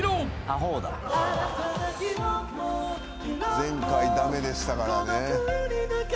前回駄目でしたからね。